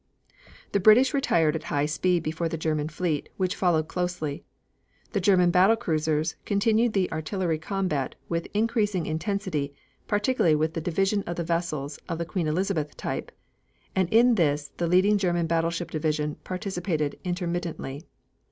The British retired at high speed before the German fleet, which followed closely. The German battle cruisers continued the artillery combat with increasing intensity, particularly with the division of the vessels of the Queen Elizabeth type, and in this the leading German battleship division participated intermittently.